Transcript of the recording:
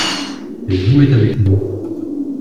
Elle jouait avec nous.